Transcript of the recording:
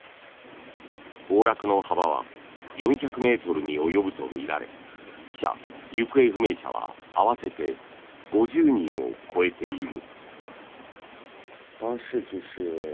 崩落の幅は４００ｍに及ぶとみられ死者・行方不明者は合わせて５０人を超えている。